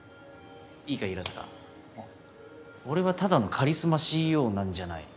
俺はただのカリスマＣＥＯなんじゃない。